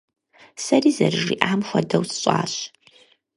Сэри зэрыжиӀам хуэдэу сщӀащ.